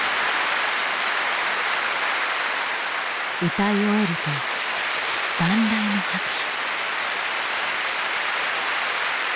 歌い終えると万雷の拍手。